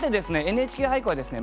「ＮＨＫ俳句」はですね